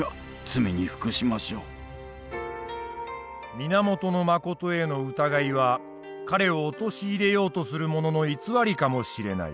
源信への疑いは彼を陥れようとする者の偽りかもしれない。